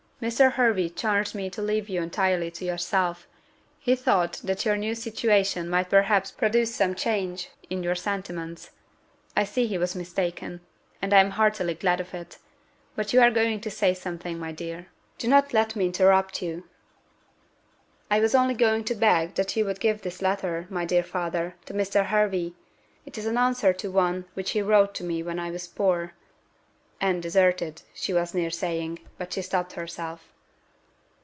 Mr. Hervey charged me to leave you entirely to yourself; he thought that your new situation might perhaps produce some change in your sentiments: I see he was mistaken; and I am heartily glad of it. But you are going to say something, my dear; do not let me interrupt you." "I was only going to beg that you would give this letter, my dear father, to Mr. Hervey. It is an answer to one which he wrote to me when I was poor" and deserted, she was near saying, but she stopped herself.